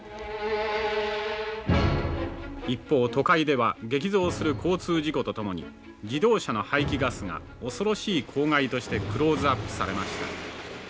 「一方都会では激増する交通事故とともに自動車の排気ガスが恐ろしい公害としてクローズアップされました」。